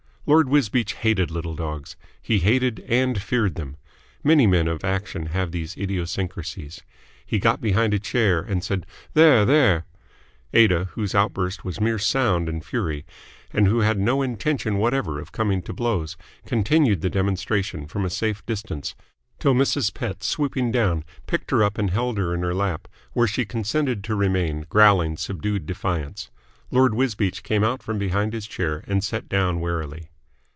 Lord Wisbeach hated little dogs. He hated and feared them. Many men of action have these idiosyncrasies. He got behind a chair and said "There, there." Aida, whose outburst was mere sound and fury and who had no intention whatever of coming to blows, continued the demonstration from a safe distance, till Mrs. Pett, swooping down, picked her up and held her in her lap, where she consented to remain, growling subdued defiance. Lord Wisbeach came out from behind his chair and sat down warily.